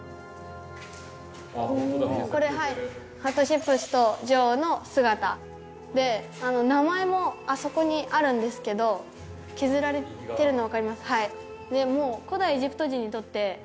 ハトシェプスト女王の姿で名前もあそこにあるんですけど削られてるのわかります？